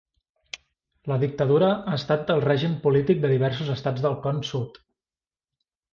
La dictadura ha estat el règim polític de diversos estats del Con Sud.